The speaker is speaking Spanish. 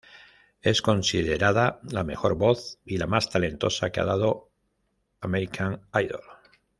Es considerada la mejor voz y la más talentosa que ha dado American Idol.